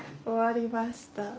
終わりました。